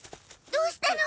どうしたの？